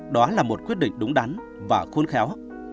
đó là một quyết định đúng đắn và khôn khéo